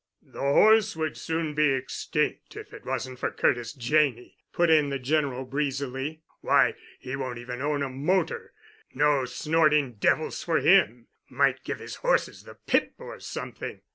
"The horse would soon be extinct if it wasn't for Curtis Janney," put in the General breezily. "Why, he won't even own a motor. No snorting devils for him. Might give his horses the pip or something.